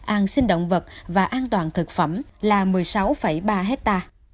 an sinh động vật và an toàn thực phẩm là một mươi sáu ba hectare